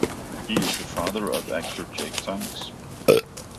He is the father of actor Jake Thomas.